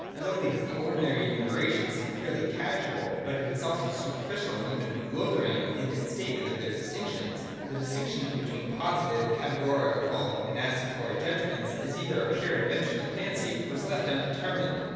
Not only does the ordinary enumeration seem purely casual, but it is also superficial, and even bewildering in its statement of their distinctions. The distinction between positive, categorical and assertory judgments, is either a pure invention of fancy, or is left undetermined.